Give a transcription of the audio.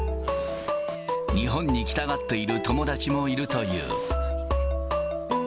日本に来たがっている友達もいるという。